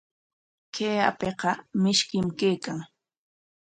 Kay apiqa mishkim kaykan.